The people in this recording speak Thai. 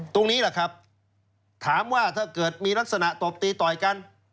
ตรงนี้แหละครับถามว่าถ้าเกิดมีลักษณะตบตีต่อยกัน